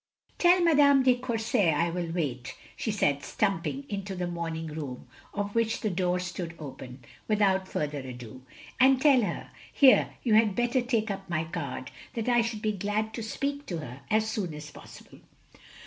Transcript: "Tell Madame de Courset I will wait," she said, stumping into the morning room, of which the door stood open, without further ado. "And tell her — here, you had better take up my card — that I should be glad to speak to her as soon as possible.